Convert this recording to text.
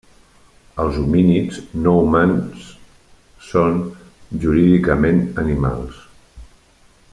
Els homínids no humans són, jurídicament, animals.